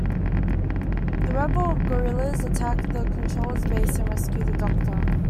The rebel guerrillas attack the Controller's base and rescue the Doctor.